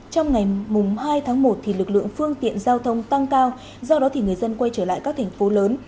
trong ngày hai tháng một lực lượng phương tiện giao thông tăng cao do đó người dân quay trở lại các thành phố lớn